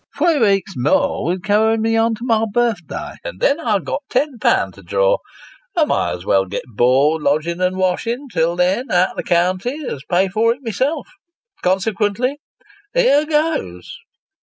Three veeks more would carry me on to my birthday, and then I've got ten pound to draw. I may as well get board, lodgin', and washin', till then, out of the county, as pay for it myself; consequently here goes